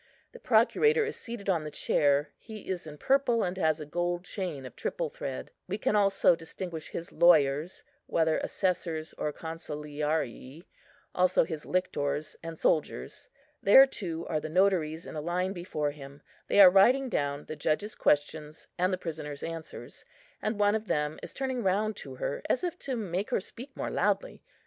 The procurator is seated on the chair; he is in purple, and has a gold chain of triple thread. We can also distinguish his lawyers, whether assessors or consiliarii; also his lictors and soldiers. There, too, are the notaries in a line below him; they are writing down the judge's questions and the prisoner's answers: and one of them is turning round to her, as if to make her speak more loudly.